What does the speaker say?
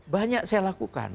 banyak saya lakukan